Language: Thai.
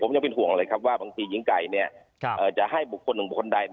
ยังเป็นห่วงเลยว่าบางทีอยิงไก่จะให้บุคคลถึงประควรใด